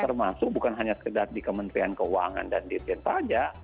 termasuk bukan hanya sekedar di kementerian keuangan dan dirjen saja